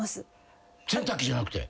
洗濯機じゃなくて？